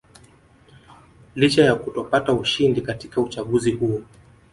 Licha ya kutopata ushindi katika uchaguzi huo